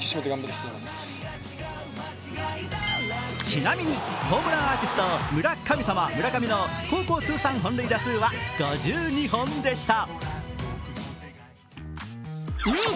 ちなみにホームランアーティスト、村神様・村上の高校通算本塁打数は５２本でした。